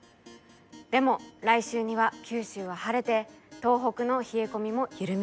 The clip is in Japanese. でも来週には九州は晴れて東北の冷え込みも緩みそうです。